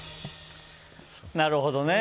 なるほどね。